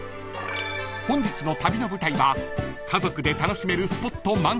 ［本日の旅の舞台は家族で楽しめるスポット満載］